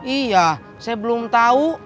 iya saya belum tahu